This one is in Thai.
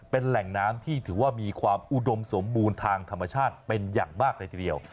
เป็นแหล่งน้ำที่ถือว่ามีความอุดมสมบูรณ์ทางธรรมชาติเป็นอย่างมากเลยทีเดียว